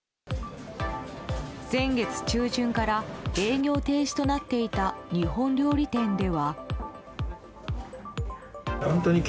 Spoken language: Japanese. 先月下旬から営業停止となっていた日本料理店では。